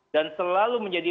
dan selalu menjadi